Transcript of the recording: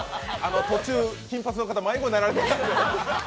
途中、金髪の方、迷子になられていましたね。